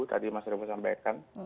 tadi mas rivo sampaikan